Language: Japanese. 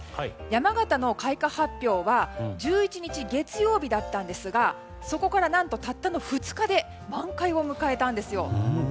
山形の開花発表は１１日月曜日だったんですがそこから何とたったの２日で満開を迎えたんですよ。